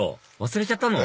忘れちゃったの？